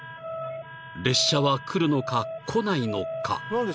［列車は来るのか来ないのか］